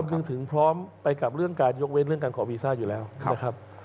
คือถึงพร้อมไปกับเรื่องการยกเว้นเรื่องการขอวีซ่าอยู่แล้วนะครับ